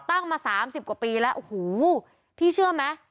ตั้งมา๓๐กว่าปีแล้วโอ้โหพี่เชื่อไหม